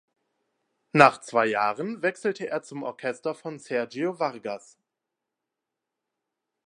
Nach zwei Jahren wechselte er zum Orchester von Sergio Vargas.